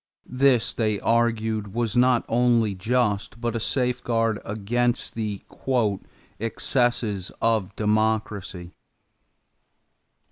This, they argued, was not only just but a safeguard against the "excesses of democracy."